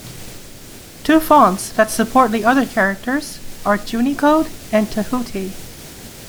Two fonts that support the other characters are Junicode and Tehuti.